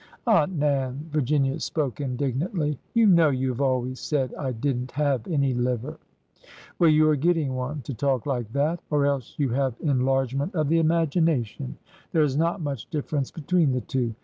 Aunt Nan !" Virginia spoke indignantly. " You know you have always said I did n't have any liver !" Well, you are getting one— to talk like that ! Or else you have enlargement of the imagination ! There is ORDER NO. 11 kX6 not much difference between the two.